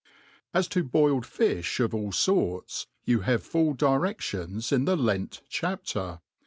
AS to boiled fifli of all forts, you have full directions in the Lent chapter.